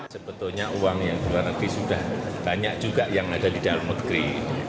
sebetulnya uang yang di luar negeri sudah banyak juga yang ada di dalam negeri